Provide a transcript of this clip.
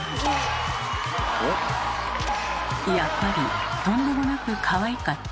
やっぱりとんでもなくかわいかった。